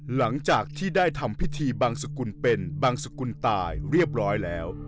หลังจากที่ได้ทำพิธีบังสกุลเป็นบังสกุลตายเรียบร้อยแล้ว